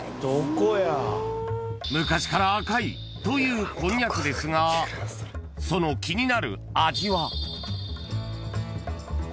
［昔から赤いというこんにゃくですがその気になる］